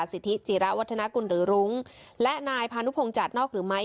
สิทธิจิระวัฒนากุลหรือรุ้งและนายพานุพงศาสนอกหรือไม้